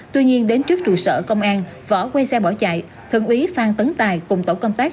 tuy nhiên đến trước trụ sở công an võ quê xe bỏ chạy thượng úy phan tấn tài cùng tổ công tác